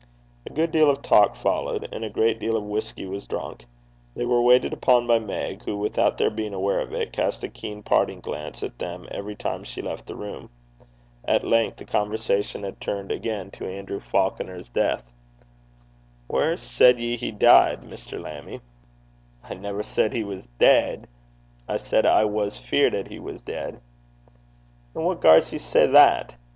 A good deal of talk followed, and a good deal of whisky was drunk. They were waited upon by Meg, who, without their being aware of it, cast a keen parting glance at them every time she left the room. At length the conversation had turned again to Andrew Falconer's death. 'Whaur said ye he dee'd, Mr. Lammie?' 'I never said he was deid. I said I was feared 'at he was deid.' 'An' what gars ye say that?